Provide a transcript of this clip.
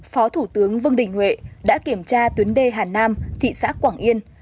phó thủ tướng vương đình huệ đã kiểm tra tuyến đê hà nam thị xã quảng yên